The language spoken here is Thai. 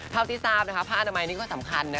เท่าที่ทราบนะคะผ้าอาณาไมนี่ก็สำคัญนะคะ